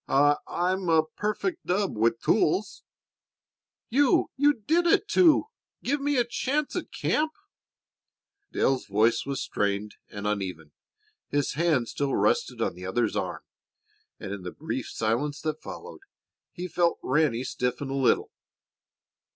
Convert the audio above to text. I I'm a perfect dub with tools." "You you did it to give me a chance at camp." Dale's voice was strained and uneven. His hand still rested on the other's arm, and in the brief silence that followed he felt Ranny stiffen a little.